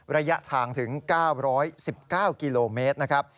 ระยะทางถึง๙๑๙กิโลเมตรนะครับ